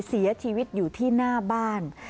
เสียชีวิตอยู่ที่หน้าบ้าน